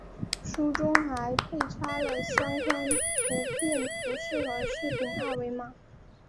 书中还配插了相关图片、图示和视频二维码